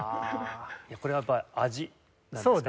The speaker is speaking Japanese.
これはやっぱり味なんですか？